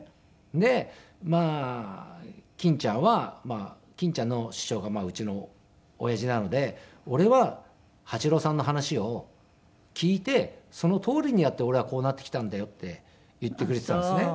でまあ欽ちゃんは欽ちゃんの師匠がうちの親父なので「俺は八郎さんの話を聞いてそのとおりにやって俺はこうなってきたんだよ」って言ってくれていたんですね。